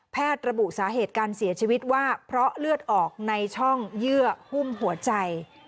ระบุสาเหตุการเสียชีวิตว่าเพราะเลือดออกในช่องเยื่อหุ้มหัวใจ